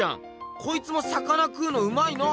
こいつも魚食うのうまいな。